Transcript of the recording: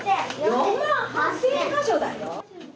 ４万８０００か所だよ。